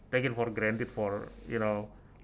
mengambil alih alihnya untuk